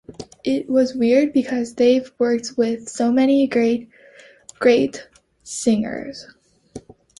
It was weird because they've worked with so many great, great singers.